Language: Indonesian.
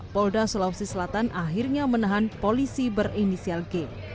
polda sulawesi selatan akhirnya menahan polisi berinisial g